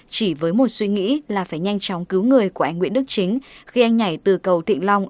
chỉ với một suy nghĩ là phải nhanh chóng cứu người của anh nguyễn đức chính khi anh nhảy từ cầu thịnh long